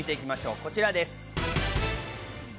こちらです。